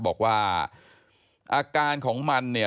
บอกว่าอาการของมันเนี่ย